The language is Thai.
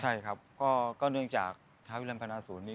ใช่ครับก็เนื่องจากท้าวิรัมพนาศูนย์นี้